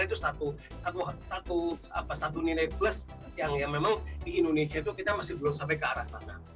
itu satu nilai plus yang memang di indonesia itu kita masih belum sampai ke arah sana